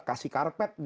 kasih karpet di masjid